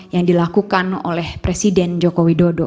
yang dilakukan oleh presiden joko widodo